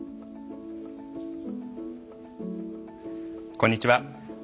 こんにちは。